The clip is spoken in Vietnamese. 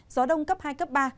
gió đông cấp hai cấp ba